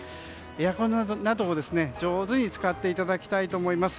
エアコンなどを上手に使っていただきたいと思います。